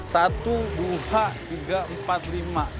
satu dua tiga empat lima